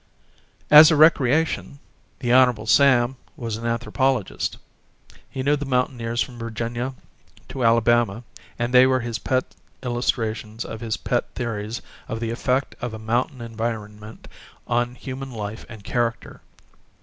As a recreation, the Hon. Sam was an anthropologist: he knew the mountaineers from Virginia to Alabama and they were his pet illustrations of his pet theories of the effect of a mountain environment on human life and character.